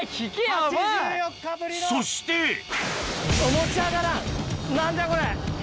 そして持ち上がらん何じゃこれ。